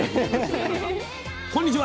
こんにちは。